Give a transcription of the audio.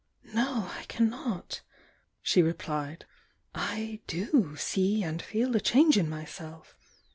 "No, I cannot!" she replied. "I do see and feel a change in myself!